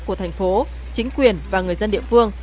của tp chính quyền và người dân địa phương